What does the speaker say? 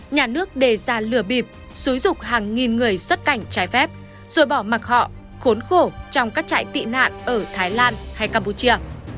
nhà nước đề ra lừa bịp xúi rục hàng nghìn người xuất cảnh trái phép rồi bỏ mặc họ khốn khổ trong các trại tị nạn ở thái lan hay campuchia